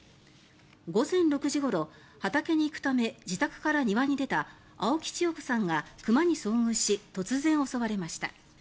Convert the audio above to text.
午前６時ごろ畑に行くため庭に出た青木千代子さんが熊に遭遇し突然、襲われました。